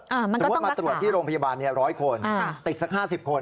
สมมุติมาตรวจที่โรงพยาบาล๑๐๐คนติดสัก๕๐คน